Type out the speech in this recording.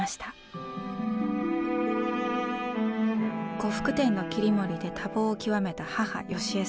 呉服店の切り盛りで多忙を極めた母芳枝さん。